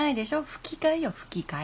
吹き替えよ吹き替え。